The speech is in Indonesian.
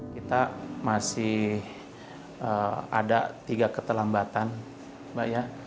kita masih ada tiga ketelambatan pak